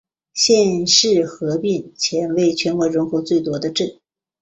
县市合并前为全县人口最多的镇。